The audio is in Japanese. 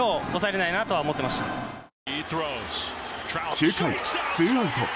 ９回ツーアウト。